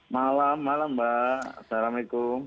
malam malam mbak assalamu'alaikum